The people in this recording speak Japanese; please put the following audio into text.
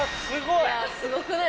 いやすごくない？